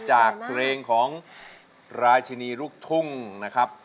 จากเพลงของราชินีลูกทุ่งนะครับ